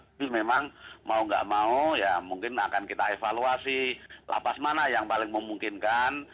tapi memang mau nggak mau ya mungkin akan kita evaluasi lapas mana yang paling memungkinkan